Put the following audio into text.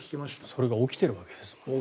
それが起きているわけですよね。